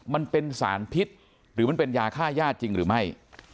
มันเป็นสารพิษหรือมันเป็นยาฆ่าญาติจริงหรือไม่